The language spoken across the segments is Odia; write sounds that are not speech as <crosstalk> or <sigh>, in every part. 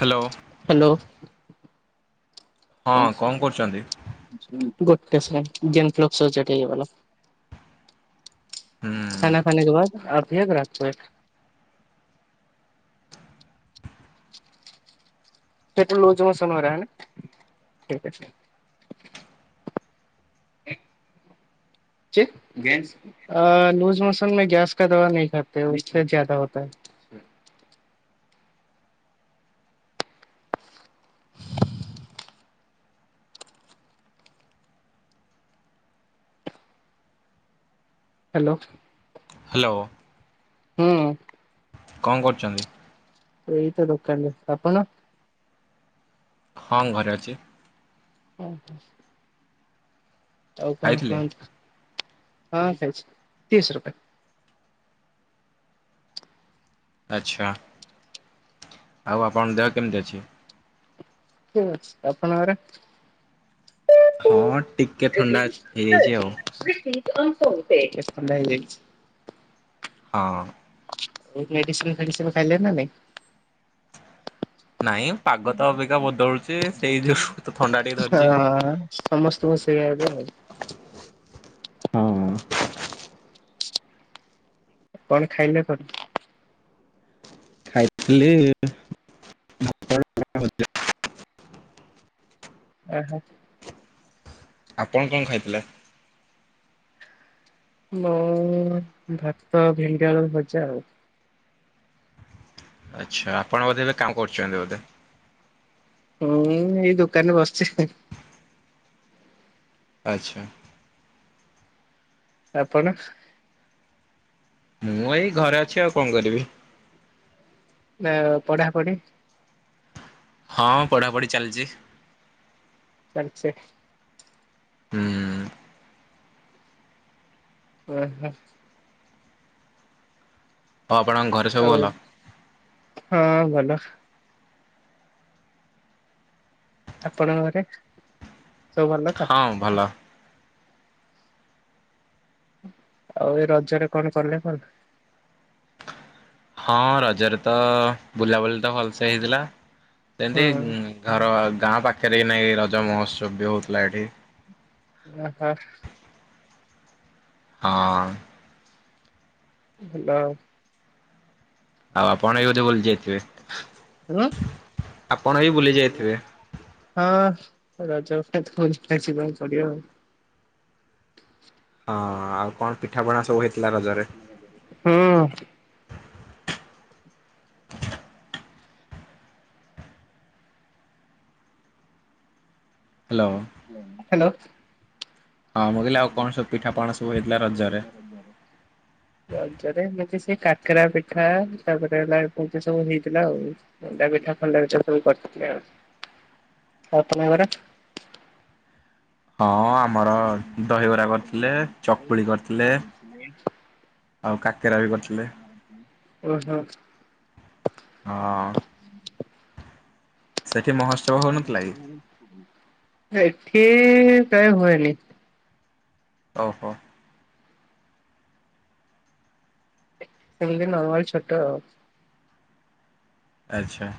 ହାଲୋ। ହାଲୋ। ହଁ କଣ ଗୋଟେ କରୁଛନ୍ତି? ସେକେଣ୍ଡ। <inaudible> ହୁଁ ଖାନା ଖାନେ କେ ବାଦ ଆପ ୟେ <inaudible> ଠିକ ଅଛି। <inaudible> ଅ ଲୁଜ ମସନ ମେ ଗ୍ୟାସ କା ଦବା ନହି ଖାତେ ହେ। ଉସମେ ଜାଦା ହୋତା ହେ। ହାଲୋ। ହାଲୋ। ହୁଁ। କଣ କରୁଚନ୍ତି? ଏଇ ତ ଦୋକାନରେ। ଆପଣ? ହଁ ଘରେ ଅଛି। ଓ ହୋ। ଆଉ କଣ ଖାଇଥିଲେ? କୁହନ୍ତୁ। ହଁ ଖାଇଚି। ଆଚ୍ଛା ଆଉ ଆପଣଙ୍କ ଦେହ କେମିତି ଅଛି? ଠିକ୍ ଅଛି। ଆପଣଙ୍କର? ହଁ ଟିକେ ଥଣ୍ଡା ହେଇଯାଇଚି ଆଉ। ଟିକେ ଥଣ୍ଡା ହେଇଯାଇଚି। ହଁ। ମେଡିସିନ ଫେଡିସିନ ଖାଇଲେ ନା ନାଇଁ? ନାଇଁ ପାଗ ତ ଅବିକା ହଁ ବଦଳୁଛି ସେଇ ଯୋଗୁ ତ ଥଣ୍ଡା ଟିକେ ଧରିଛି। ହଁ। ସମସ୍ତଙ୍କୁ ସେୟା ଏବେ। ହଁ ହଁ। କଣ ଖାଇଲେ କଣ? ଖାଇଥିଲି। ଓ ହୋ। ଆପଣ କଣ ଖାଇଥିଲେ? ମୁଁ ଭାତ, ଭେଣ୍ଡି, ଆଳୁ ଭଜା ଆଉ। ଆଚ୍ଛା ଆପଣ ବୋଧେ ଏବେ କାମ କରୁଚନ୍ତି ବୋଧେ। ହୁଁ ଏଇ ଦୋକାନରେ ବସିଚି। ଆଚ୍ଛା। ଆପଣ? ମୁଁ ଏଇ ଘରେ ଅଛି ଆଉ କଣ କରିବି? ନାଇ ପଢାପଢି? ହଁ ପଢ଼ାପଢ଼ି ଚାଲିଚି। ଚାଲିଚି। ହୁଁ। ଓ ହୋ। ଆଉ ଆପଣଙ୍କ ଘରେ ସବୁ ଆଉ ଭଲ? ହଁ ଭଲ। ଆପଣ ଘରେ ସବୁ ଭଲତ? ହଁ ଭଲ। ଆଉ ଏରଜରେ କଣ କଲେ କଣ? ହଁ ରଜରେତ ବୁଲାବୁଲିତ ଭଲସେ ହେଇଥିଲା ହୁଁ ସେମିତି ଘର ଗାଁ ପାଖରେ ନେଇଁ ରଜ ମହୋତ୍ସବବି ହଉଥିଲା ଏଠି। ଓହୋ। ହଁ। ଭଲ। ଆଉ ଆପଣବି ବୋଧେ ବୁଲିଯାଇଥିବେ? <unintelligible> ଆପଣବି ବୁଲି ଯାଇଥିବେ? ହଁ ରଜରେତ ବୁଲିତେ ଯିବାକୁ ପଡ଼ିବ ଆଉ। <inaudible> ହଁ ଆଉ କଣ ପିଠାପଣା ସବୁ ହେଇଥିଲା ରଜରେ? ହୁଁ। ହାଲୋ। ହାଲୋ। ହଁ ମୁଁ କହିଲି ଆଉ କଣ ସବୁ ପିଠାପଣା ସବୁ ହେଇଥିଲା ରଜରେ? ରଜରେ ରଜରେ ଏମିତି ସେକାକେରା ପିଠା ତାପରେ ହେଲା ଏମିତି ସବୁ ହେଇଥିଲା ଆଉ। ମଣ୍ଡା ପିଠା ଫଣ୍ଡା ପିଠା ସବୁ କରିଥିଲେ ଆଉ ତମଘରେ? ହଁ ଆମର ଦହିବରା କରିଥିଲେ ଚକୁଳି କରିଥିଲେ। ତମେ ଜାଣିଚ? ଆଉ କାକେରା ବି କରିଥିଲେ ଓହୋ। ହଁ। ସେଠି ମହୋତ୍ସ ଏଠି କାଇଁ ହୁଏନି। ଓହୋ। ସେମିତି ନର୍ମାଲ ଛୋଟ ଆଉ। ଆଚ୍ଛା।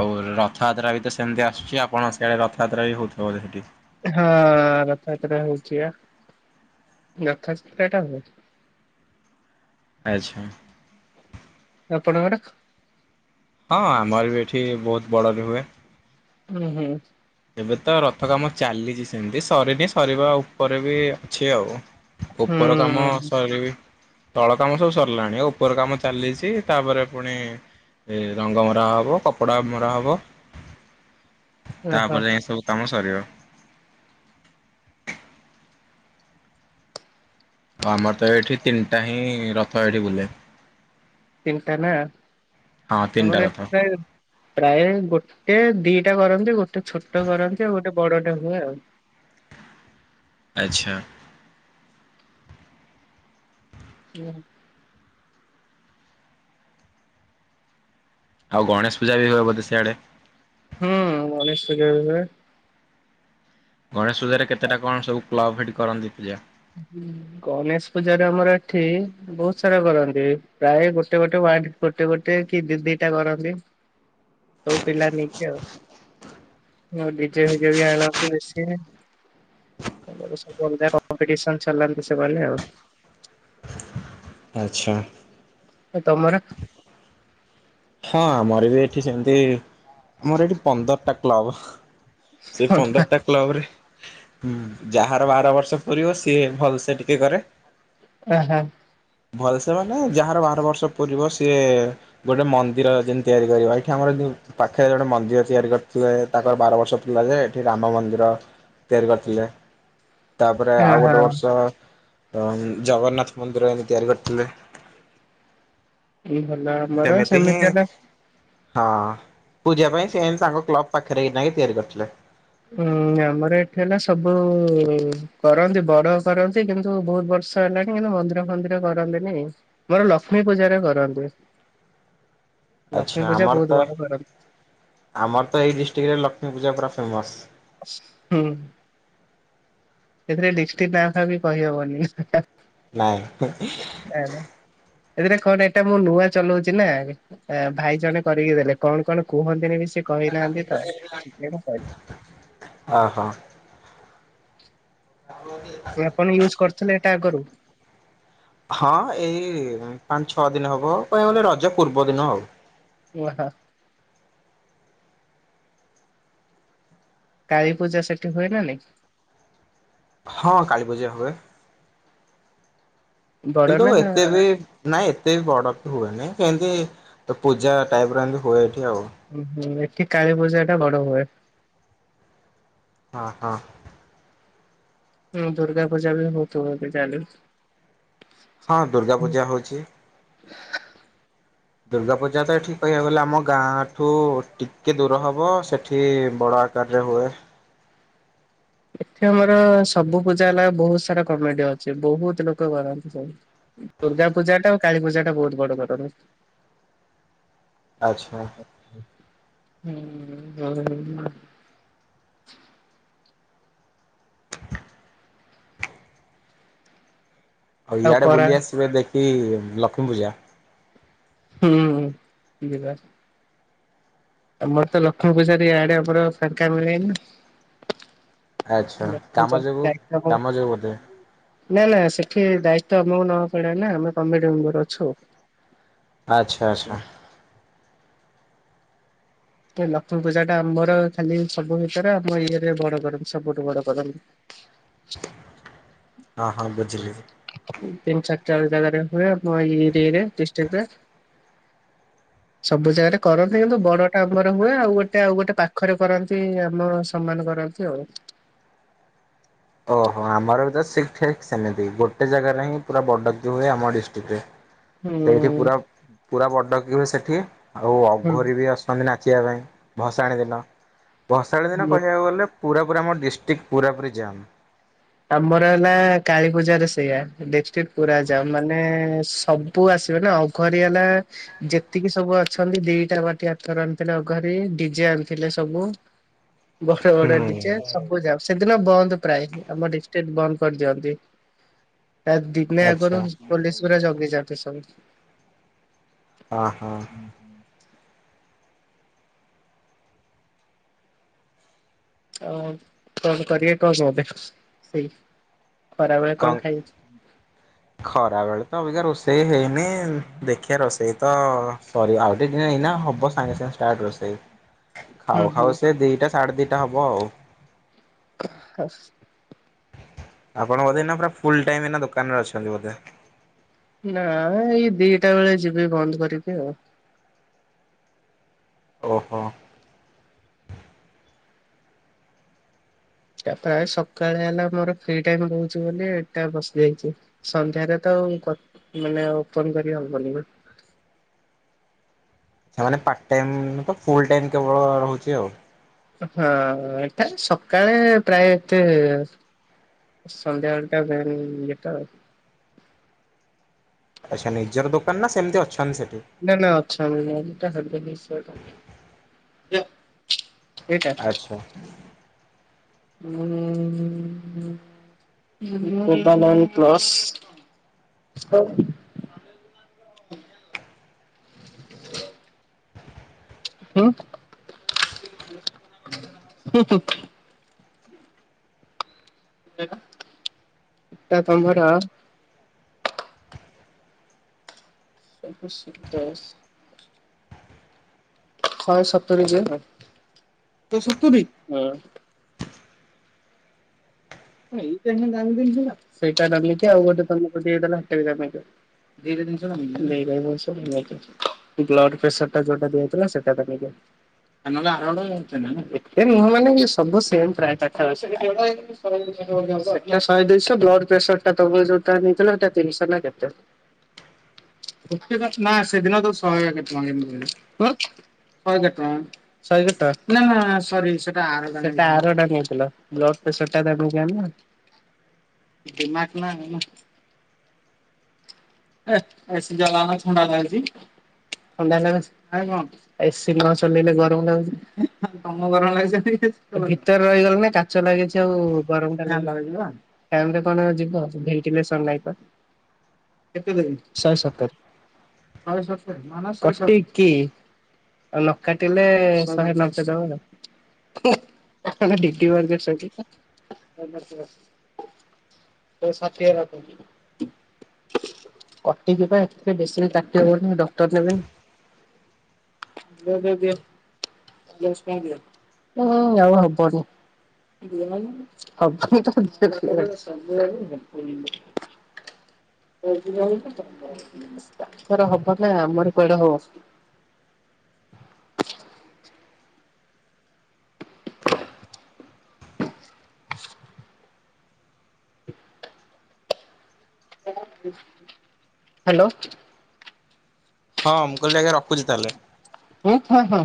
ଆଉ ରଥଯାତ୍ରାବିତ ସେମିତି ଆସୁଚି ଆପଣ ସେଆଡ଼େ ରଥଯାତ୍ରାବି ହେଉଥିବ ବୋଧେ ହେଟି? ହଁ ରଥଯାତ୍ରା ହଉଚିପା ରଥଯାତ୍ରାଟା ହଉଚି। ଆଚ୍ଛା। ଆପଣଙ୍କର? ହଁ ଆମରବି ଏଠି ବହୁତ୍ ବଡ଼ବି ହୁଏ। ହୁଁ ହୁଁ। ଏବେତ ରଥ କାମ ଚାଲିଚି ସେମିତି ସରିନି ସରିବା ଉପରେବି ଅଛି ଆଉ। ଉପର କାମ ହୁଁ ସରିବି ତଳ କାମ ସବୁ ସରିଲାଣି ଉପର କାମ ଚାଲିଚି ତାପରେ ପୁଣି ରଙ୍ଗ ମରାହବ କପଡ଼ା ମରାହବ। ଓହୋ ତାପରେ ଯାଇଁ ସବୁ କାମ ସରିବ। ଆଉ ଆମରତ ଏଇଠି ତିନିଟାହିଁ ରଥ ଏଠି ବୁଲେ। ତିନିଟାନା ହଁ ତିନିଟା ଆମର ରଥ। ଏଠି ପ୍ରାୟେ ପ୍ରାୟ ଗୋଟେ ଦିଟା କରନ୍ତି ଗୋଟେ ଛୋଟ କରନ୍ତି ଆଉ ଗୋଟେ ବଡ଼ଟେ ହୁଏ ଆଉ। ଆଚ୍ଛା। ହୁଁ। ଆଉ ଗଣେଶ ପୂଜା ବି ହୁଏ ବଧେ ଶିଆଡେ। ହୁଁ ଗଣେଶ ପୂଜା ବି ହୁଏ। ଗଣେଶ ପୂଜାରେ କେତେଟା କଣ ସବୁ କ୍ଲବ୍ ହେଇଠି କରନ୍ତି ପୂଜା ଗଣେଶ ପୂଜାରେ ଆମର ଏଠି ବହୁତ ସାରା କରନ୍ତି ପ୍ରାୟ ଗୋଟେ ଗୋଟେ ୱାର୍ଡରେ ଗୋଟେ ଗୋଟେ କି ଦି ଦିଟା କରନ୍ତି। ସବୁ ପିଲା ନେଇକି ଆଉ ଆ ଡିଜେ ଫିଜେ ବି ଆଣନ୍ତି ବେଶି ସବୁ ଆଡୁ ବନ୍ କମ୍ପିଟିସନ ଚଲାନ୍ତି ସେ ଗଲେ ଆଉ। ଆଚ୍ଛା। ତମର? ହଁ ଆମର ବି ଏଠି ସେମିତି ଆମର ଏଠି ପନ୍ଦରଟା କ୍ଲବ ହ। ସେ ପନ୍ଦର ଟା କ୍ଲବରେ ଯାହାର ବାର ବର୍ଷ ପୁରିବ ସିଏ ଭଲସେ ଟିକେ କରେ। ଓହୋ। ଭଲ ସେ ମାନେ ଯାହାର ବାର ବର୍ଷ ପୂରିବ ସିଏ ଗୋଟେ ମନ୍ ତୀର ଯେମତୀ ତିଆରି କରିବ ଏଇଠି ଆମର ଯୋଉ ପାଖରେ ଜଣେ ମନ୍ଦିର ତିଆରି କରିଥିଲେ ତାଙ୍କର ବାର ବର୍ଷ ଥିଲା ଯେ ଏଠି ରାମ ମନ୍ଦିର ତିଆରି କରିଥିଲେ। ତାପରେ ଆଉ ଗୋଟେ ବର୍ଷ ଜଗନ୍ନାଥ ମନ୍ଦିର ଏମିତି ତିଆରି କରିଥିଲେ। <inaudible> ଏମିତି ହିଁ। ସେମିତି ହେଲା ହଁ ପୂଜା ପାଇଁ ସେ ସାଙ୍କ କ୍ଲବ ପାଖରେ କିନା ହିଁ ତିଆରି କରିଥିଲେ। ହୁଁ ଆମର ଏଠି ହେଲା ସବୁ କରନ୍ତି ବଡ କରନ୍ତି କିନ୍ତୁ ବହୁତ ବର୍ଷ ହେଲାଣି କିନ୍ତୁ ମନ୍ଦିର ଫନ୍ଦିର କରନ୍ତିନି। ମୋର ଲକ୍ଷ୍ମୀ ପୂଜାରେ କରନ୍ତି ଲକ୍ଷ୍ମୀ ଆଚ୍ଛା ପୂଜା ଆମର ତ ବହୁତ ବଡ କରନ୍ତି। ଆମର ତ ଏଇ ଡିଷ୍ଟ୍ରିକ୍ଟରେ ଲକ୍ଷ୍ମୀ ପୂଜା ପୁରା ଫେମସ୍। ହୁଁ ହୁଁ। ସେଥିରେ ଡିଷ୍ଟିକ୍ ନା ଟା ବି କହିହବନି। ନାହିଁ। ନ ଏଥିରେ କଣ ଏଇଟା ମୁଁ ନୂଆ ଚଲଉଛି ନା ଆ ଭାଇ ଜଣେ କରିକି ଦେଲେ କଣ କଣ କୁହନ୍ତିନି ବି ସେ କହିନାହାନ୍ତି ତ ସେ କରିବ। ଅ ହ। <unintelligible> ଆପଣ ୟୁଜ୍ କରିଥିଲେ ଏଇଟା ଆଗରୁ? ହଁ ଏଇ ପାଞ୍ଚ ଛଅ ଦିନ ହବ କହିବାକୁ ଗଲେ ରଜ ପୂର୍ବ ଦିନ ଆଉ। <unintelligible> କାଳୀ ପୂଜା ସେଠି ହୁଏ ନା ନାଇଁ? ହଁ କାଳୀ ପୂଜା ହୁଏ। ବଡ କିନ୍ତୁ ନା ଏତେ ବି ନାଇଁ ଏତେ ବି ବଡ଼ କି ହୁଏନି କେମିତି ତ ପୂଜା ଟାଇପର ଏମିତି ହୁଏ ଏଠି ଆଉ। ଉହୁଁ ଏଠି କାଳୀ ପୂଜା ଟା ବଡ ହୁଏ। ହଁ, ହଁ। ହୁଁ ଦୁର୍ଗା ପୂଜା ବି ବହୁତ ଭଲରେ ଚାଲଛି। ହଁ ଦୁର୍ଗା ପୂଜା ହଉଛି। ଦୁର୍ଗା ପୂଜା ତ ଏଠି କହିବାକୁ ଗଲେ ଆମ ଗାଁଠୁ ଟିକେ ଦୂର ହବ ସେଠି ବଡ ବଡ ଆକାରେ ହୁଏ। ଏଠି ଆମର ସବୁ ପୂଜା ହେଲା ବହୁତ ସାରା କମିଟି ଅଛି ବହୁତ ଲୋକ କରନ୍ତି। ଦୁର୍ଗା ପୂଜା ଟା ଆଉ କାଳୀ ପୂଜା ଟା ବହୁତ ବଡ କରନ୍ତି। ଆଚ୍ଛା! <unintelligible> ଆଉ ଇଆଡ଼େ ବୁଲି ଆସିବେ ଦେଖି ଲକ୍ଷ୍ମୀ ପୂଜା। ହୁଁ, ହୁଁ ଯିବା ଆମର ତ ଲକ୍ଷ୍ମୀ ପୂଜାର ଇଆଡେ ଆମର ଫାଙ୍କା ମିଳେନି। ଆଚ୍ଛା <unintelligible> ନା, ନା କାମ ଯୋଗୁଁ କାମ ଯୋଗୁଁ ବୋଧେ ସେଠି ଦାୟିତ୍ଵ ଆମକୁ ନବାକୁ ପଡେ ନା ଆମେ କମିଟି ମେମ୍ବର ଅଛୁ। ଆଚ୍ଛା! ଆଚ୍ଛା! ଏ ଲକ୍ଷ୍ମୀ ପୂଜା ଟା ଆମର ଖାଲି ସବୁ ଭିତରେ ଆମ ଇଏରେ ବଡ ସବୁଠୁ ବଡ କରନ୍ତି। <inaudible> ହଁ, ହଁ ବୁଝିଲି। ତିନି, ଚାରିଟା ଜାଗାରେ ହୁଏ ଇରିରେ ଡିଷ୍ଟ୍ରିକ୍ଟ ରେ। <inaudible> ସବୁ ଜାଗାରେ କରନ୍ତି କିନ୍ତୁ ବଡ ଟା ଆମର ହୁଏ ଆଉ ଗୋଟେ ଆଉ ଗୋଟେ ପାଖରେ କରନ୍ତି ଆମ ସମ୍ମାନରେ କରନ୍ତି ଆଉ। ଓହୋ ଆମର ବି ତ ସେ ଠିକ ସେମିତି ଗୋଟେ ଜାଗାରେ ହିଁ ପୁରା ବଡକି ହୁଏ ଆମ ଡିଷ୍ଟ୍ରିକ୍ଟ ରେ। <inaudible> ସେଇଠି ପୁରା ପୁରା ବଡକିବି ସେଠି ଆଉ ହୁଁ ଅଘୋରୀ ବି ଆଶ୍ ଆମେ ନାଚିବା ପାଇଁ ଭସାଣୀ ଦିନ ଭସାଣୀ ଦିନ ହୁଁ କହିବାକୁ ଗଲେ ପୁରାପୁରା ଆମ ଡିଷ୍ଟ୍ରିକ୍ଟ ପୁରାପୁରି ଜାମ୍। ଆମର ହେଲା କାଳୀ ପୂଜାରେ ସେଇଆ ଡିଷ୍ଟ୍ରିକ୍ଟ ପୁରା ଜାମ୍ ମାନେ ସବୁ ପୁ ଆସିବେ ନା ଅଘୋରି ହେଲା ଯେତିକି ସବୁ ଅଛନ୍ତି ଦିଟା ବାଟି ଆଥର ଆଣିଥିଲେ ଅଘୋରେ ଡିଜେ ଆଣିଥିଲେ ସବୁ। ବଡ ବଡ ହୁଁ ଡିଜେ ସବୁ ଯାଉ ସେଦିନ ବନ୍ଦ ପ୍ରାୟ। ଆମ ଡିଷ୍ଟ୍ରିକ୍ଟ ବନ୍ଦ କରିଦିଅନ୍ତି ତା ଦିନେ ଆଚ୍ଛା ଆଗରୁ ପୋଲିସ ପୁରା ଜଗି ଯାଆନ୍ତି ସବୁ। ଓହୋ! ଆ କଣ କରିବେ କବେ ସେଇ ଖରାବେଳେ କଣ ଖାଇବ ଖରାବେଳେ ତ ଅବିକ ରୋଷେଇ ହେଇନି ଦେ ଖିଆ ରୋଷେଇ ତ ସରି ଆଉ ଟିକେ ଏଇନା ହବ ସାଙ୍ଗେ ସାଙ୍ଗେ ଷ୍ଟାର୍ଟ ରୋଷେଇ। ହୁଁ ଖାଉ ହୁଁ ଖାଉ ସେ ଦିଟା ସାଢେ ଦିଟା ହବ ଆଉ। ହାସ <unintelligible> ଆପଣ ବୋଧେ ଏଇନା ପୁରା ଫୁଲ ଟାଇମ ଦୋକାନରେ ଅଛନ୍ତି ବୋଧେ? ନା ଏଇ ଦିଟା ବେଳେ ଯିବେ ବନ୍ଦ କରିକି ଆଉ। ଓହୋ ଟା ପ୍ରାୟ ସକାଳେ ହେଲା ମୋର ଫ୍ରି ଟାଇମ ରହୁଛି ବୋଲି ଏଟା ବସିଯାଇଛି ସନ୍ଧ୍ୟାରେ ତ ମାନେ ଓପନ କରି ହବନି ସେମାନେ ପାର୍ଟ ଟାଇ ତ ଫୁଲ ଟାଇ କେବଳ ରହୁଛି ଆଉ ହଁ ଏଟା ସକାଳେ ପ୍ରାୟ ଏତେ ସନ୍ଧ୍ୟାବେଳଟା ଦେନ୍ ବେଟର ଆଚ୍ଛା ନିଜର ଦୋକାନ ନା ସେମ୍ତି ଅଛନ୍ତି ସେଠି? ନା-ନା ଅଛନ୍ତି <inaudible> ଏଇଟା ଆଚ୍ଛା <inaudible> ପ୍ଲୁସ <unintelligible> ଉଁ-ହୁଁ-ହୁଁ। ଟା ତମର <inaudible> ସହେ ସତୁରି <inaudible> <inaudible> ଦିଟା ଜିନିଷ <inaudible> ବ୍ଲଡ୍ ପ୍ରେସର ଟା ଯୋଉଟା ଦିଆ ହେଇଥିଲା ସେଟା <unintelligible> ଏତେ ନୁହଁ ମାନେ ସବୁ ସେମ୍ <inaudible> ସେଟା ଶହେ ଦୁଇଶହ, ବ୍ଲଡ୍ ପ୍ରେସରଟା ତମେ ଯୋଉଟା ନେଇଥିଲା ସେଇଟା ତିନିଶହ ନା କେତେ। ନାଁ ସେଦିନ ତ ଶହେ କେତେ ଟଙ୍କା <unintelligible> ସହେ <unintelligible> ଟଙ୍କା। ନା-ନା-ନା ସରି, ସେଟା ଆରଟା ନେଇଥିଲ। <inaudible> ଏ ଏସି ଚଲାଅନା ଥୁଣ୍ଡା ଲାଗୁଚି। ଥଣ୍ଡା ଲାଗୁଚି ନାଁ କଣ? ଏସିି ନ ଚଲେଇଲେ ଗରମ୍ ଲାଗୁଚି। <inaudible> କେତେ ଦେବି ସହେ ସତର <inaudible> ଆଉ ନ କାଟିଲେ ଶହେ ନଅ ଦବ <unintelligible> <inaudible> <unintelligible> ଷାଠିଏ <unintelligible> କଟିକି ବା ଏଥିରେ ବେଶୀ କାଟି ହବନି ଡକ୍ଟର୍ ନେବେ। <inaudible> <inaudible> ତାଙ୍କର ହବନି ଆମର କୁଆଡେ ହବ। ହାଲୋ। ହଁ ମୁଁ କିହିଲି ଆଜ୍ଞା ରଖୁଚି ତାହେଲେ। <unintelligible> ହଁ-ହଁ।